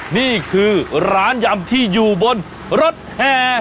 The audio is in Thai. นี่คือร้านยำที่อยู่บนรถแห่